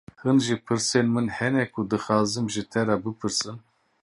Hîn jî pirsên min hene ku dixwazim ji te bipirsim.